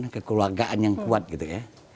kekeluargaan yang kuat gitu ya